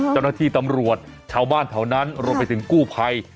เจ้าหน้าที่ตำรวจชาวบ้านแถวนั้นรวมไปถึงกู้ภัย